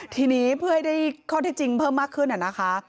ทีนี้เพื่อให้ได้ข้อที่จริงเพิ่มมากขึ้นนะคะ